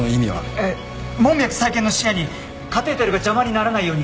えっ門脈再建の視野にカテーテルが邪魔にならないように？